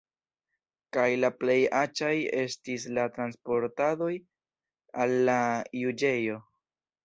Kaj la plej aĉaj estis la transportadoj al la juĝejo.